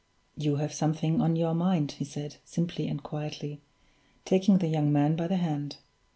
"You have something on your mind," he said, simply and quietly, taking the young man by the hand.